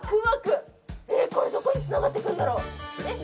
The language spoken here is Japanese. えっこれどこにつながっていくんだろうえっ